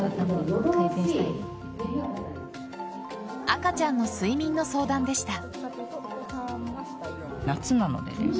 赤ちゃんの睡眠の相談でした。